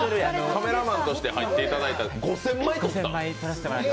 カメラマンとして入っていただいて、５０００枚撮った？